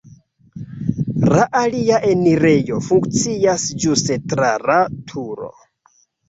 La alia enirejo funkcias ĝuste tra la turo.